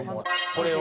これを？